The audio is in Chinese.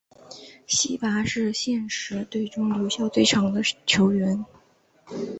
希拔是现时队中留效最长的球员。